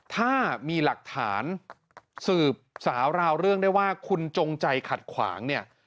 ถ้ามีหลักฐานสืบสาวราวเรื่องได้ว่าคุณจงใจขัดขวางเนี่ย